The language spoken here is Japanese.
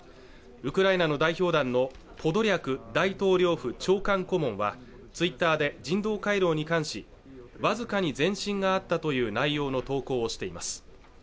ウクライナの代表団のポドリャク大統領府長官顧問はツイッターで人道回廊に関し僅かに前進があったという内容の投稿をしています